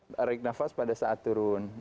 tarik nafas pada saat turun